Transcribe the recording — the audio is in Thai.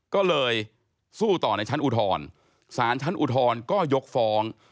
ก็เลยสู้ต่อในชั้นอุทธรสารชั้นอุทธรณ์ก็ยกฟ้อง